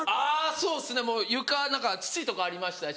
そうっすねもう床は土とかありましたし。